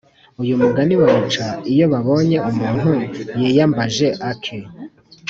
uyu mugani bawuca iyo babonye umuntu yiyambaje ake;